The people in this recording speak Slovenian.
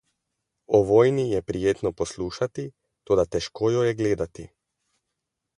O vojni je prijetno poslušati, toda težko jo je gledati.